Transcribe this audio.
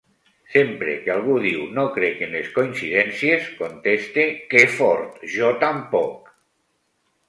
Sempre que algú diu “No crec en les coincidències”, conteste “Que fort! Jo tampoc!”